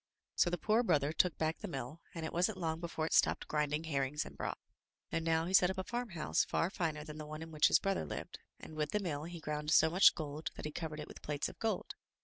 So the poor brother took back the mill, and it wasn't long before it stopped grinding herrings and broth. And now he set up a farmhouse far finer than the one in which his brother lived, and with the mill he ground so much gold that he covered it with plates of gold.